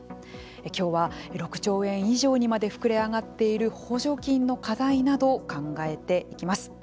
今日は、６兆円以上にまで膨れ上がっている補助金の課題など考えていきます。